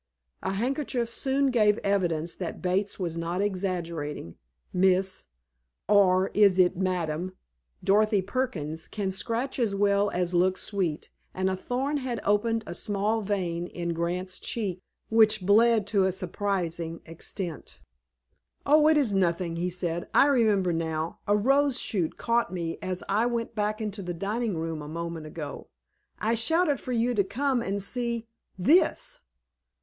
A handkerchief soon gave evidence that Bates was not exaggerating. Miss—or is it Madam?—Dorothy Perkins can scratch as well as look sweet, and a thorn had opened a small vein in Grant's cheek which bled to a surprising extent. "Oh, it is nothing," he said. "I remember now—a rose shoot caught me as I went back into the dining room a moment ago. I shouted for you to come and see _this.